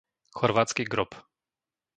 Chorvátsky Grob